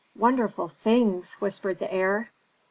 "Wonderful things!" whispered the heir.